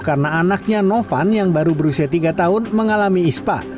karena anaknya novan yang baru berusia tiga tahun mengalami ispa